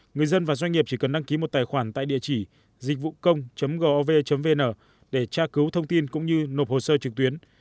người dân và doanh nghiệp chỉ cần đăng ký một tài khoản tại địa chỉ dịchvucông gov vn để tra cứu thông tin cũng như nộp hồ sơ trực tuyến